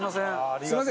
すみません。